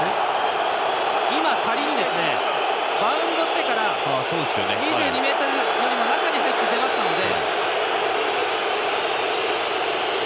今、仮にですがバウンドしてから２２ｍラインよりも中に入って出ましたので。